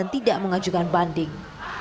tidak mengajukan banding